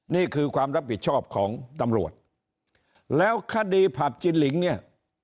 นี่คือความรับผิดชอบของตำรวจแล้วคดีผับจินลิงเนี่ย